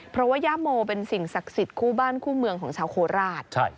เพราะว่าย่าโมเป็นสิ่งศักดิ์สิทธิ์คู่บ้านคู่เมืองของชาวโคราช